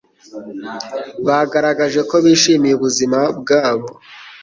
Bagaragaje ko bishimiye ubuzima bwabo.